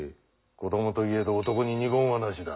子供といえど男に二言はなしだ。